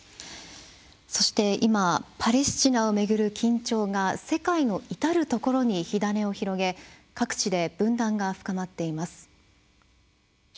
今パレスチナを巡る緊張が世界の至る所に火種を広げ各地で分断が深まっています。